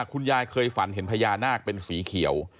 เคยฝันเห็นพญานาคเป็นสีเขียว